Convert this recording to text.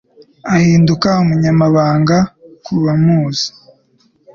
Ahinduka umunyamahanga kubamuzi